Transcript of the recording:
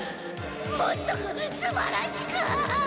もっとすばらしく！